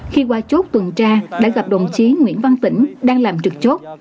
khi qua chốt tuần tra đã gặp đồng chí nguyễn văn tỉnh đang làm trực chốt